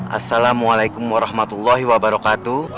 assalamualaikum warahmatullahi wabarakatuh